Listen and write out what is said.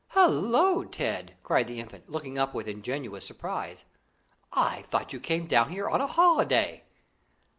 "Hallo, Ted!" cried the Infant, looking up with ingenuous surprise, "I thought you came down here on a holiday?"